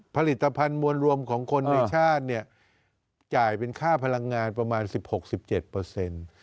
ผลิตภัณฑ์มวลรวมของคนในชาติเนี่ยจ่ายเป็นค่าพลังงานประมาณ๑๖๑๗เปอร์เซ็นต์